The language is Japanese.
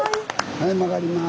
はい曲がります。